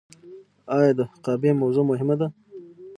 آیا د حقابې موضوع مهمه ده؟